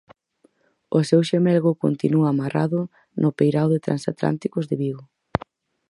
O seu xemelgo continúa amarrado no peirao de transatlánticos de Vigo.